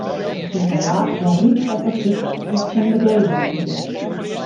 Der siet in laachje ryp op 'e fyts dy't tsjin de gevel stie.